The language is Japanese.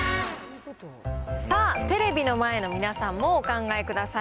さあ、テレビの前の皆さんもお考えください。